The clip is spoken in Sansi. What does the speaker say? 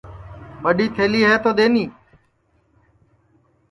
ٻڈؔی تھلی ہے تو دؔیٹؔی